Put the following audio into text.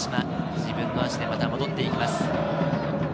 自分の足でまた戻っていきます。